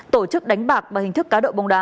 tổ chức đánh bạc bằng hình thức cá độ bóng đá